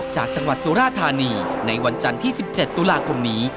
จากจังหวัดสุราธานีในวันจันทร์ที่๑๗ตุลาคมนี้